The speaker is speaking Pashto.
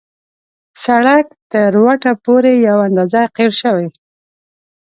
سړک تر وټه پورې یو اندازه قیر شوی.